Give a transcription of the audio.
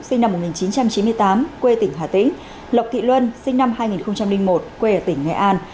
sinh năm một nghìn chín trăm chín mươi tám quê tỉnh hà tĩnh lộc thị luân sinh năm hai nghìn một quê ở tỉnh nghệ an